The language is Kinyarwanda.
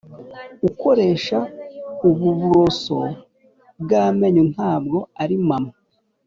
ukoresha ubu buroso bw'amenyo ntabwo ari mama.